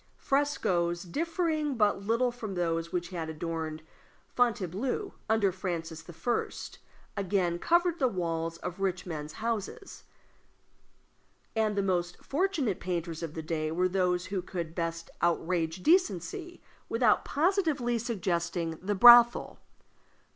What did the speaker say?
Frescoes differing but little from those which had adorned Fontainebleau under Francis I. again covered the walls of rich men's houses; and the most fortunate painters of the day were those who could best outrage decency without positively suggesting the brothel.